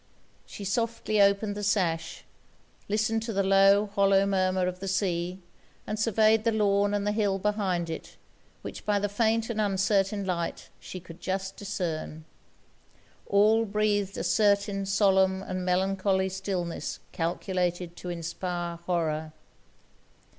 She softly opened the sash; listened to the low, hollow murmur of the sea; and surveyed the lawn and the hill behind it, which, by the faint and uncertain light, she could just discern. All breathed a certain solemn and melancholy stillness calculated to inspire horror.